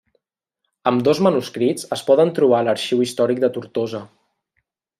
Ambdós manuscrits es poden trobar a l'Arxiu Històric de Tortosa.